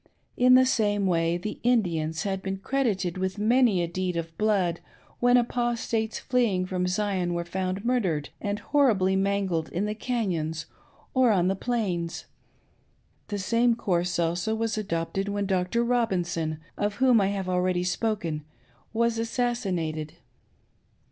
In the same way the " Indians " had been credited with many a deed of blood when Apostates fleeing from Zion were found mur dered and horribly mangled in the Canons or on the Plains. The same course also was adopted when Dr. Robinson, of whom I have already spoken, was assassinated.